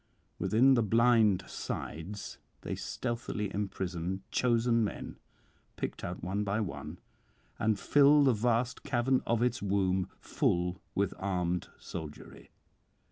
Within the blind sides they stealthily imprison chosen men picked out one by one, and fill the vast cavern of its womb full with armed soldiery.